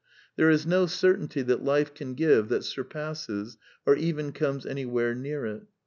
There is no certainty that life can give that sur passes or even comes anywhere near it.